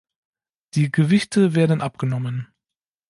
Die Gewichte werden abgenommen.